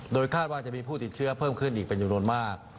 โดยคาดว่าจะมีผู้ติดเชื้อเพิ่มขึ้นอีกเป็นจำนวนมาก